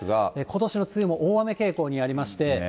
ことしの梅雨も大雨傾向にありまして。